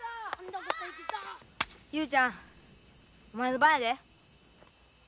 雄ちゃんお前の番やで。